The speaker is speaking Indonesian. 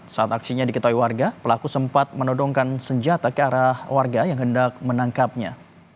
saat aksinya diketahui warga pelaku sempat menodongkan senjata ke arah warga yang hendak menangkapnya